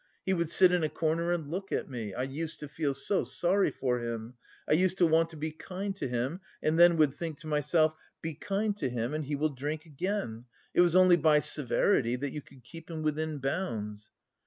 He would sit in a corner and look at me, I used to feel so sorry for him, I used to want to be kind to him and then would think to myself: 'Be kind to him and he will drink again,' it was only by severity that you could keep him within bounds."